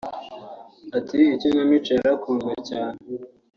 Ati “Ikinamico yarakunzwe cyane